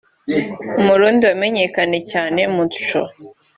Umurundi wamenyekanye cyane Moutcho